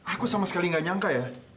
aku sama sekali nggak nyangka ya